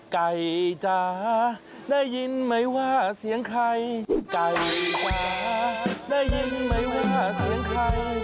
ไก่จ๋าไหนยินไหมว่าเสียงใคร